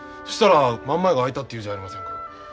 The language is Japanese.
そしたら真ん前が空いたっていうじゃありませんか。